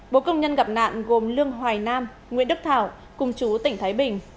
bộ công nhân gặp nạn gồm lương hoài nam nguyễn đức thảo cùng chú tỉnh thái bình